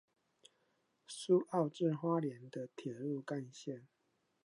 蘇澳至花蓮的鐵路幹線